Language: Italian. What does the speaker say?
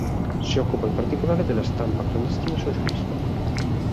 Si occupa in particolare della stampa clandestina socialista.